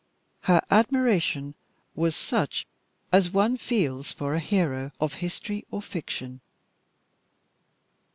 Her admiration was such as one feels for a hero of history or fiction.